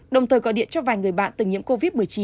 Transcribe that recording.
đồng thời gọi điện cho vài người bạn từng nhiễm covid một mươi chín